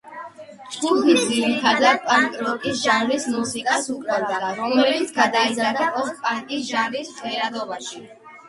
ჯგუფი ძირითადად პანკ-როკის ჟანრის მუსიკას უკრავდა, რომელიც გადაიზარდა პოსტ-პანკის ჟანრის ჟღერადობაში.